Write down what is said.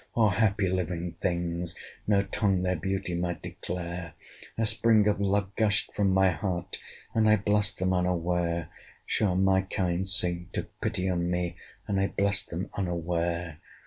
O happy living things! no tongue Their beauty might declare: A spring of love gushed from my heart, And I blessed them unaware: Sure my kind saint took pity on me, And I blessed them unaware.